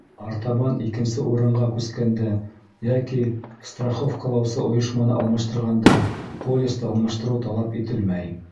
Артабан икенсе урынға күскәндә йәки страховкалаусы ойошманы алмаштырғанда, полисты алмаштырыу талап ителмәй.